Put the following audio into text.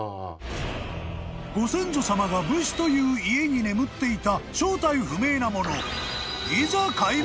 ［ご先祖さまが武士という家に眠っていた正体不明なもの］